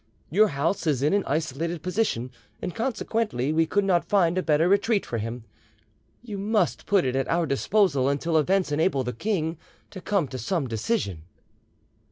Your house is in an isolated position, and consequently we could not find a better retreat for him. You must put it at our disposal until events enable the king to come to some decision."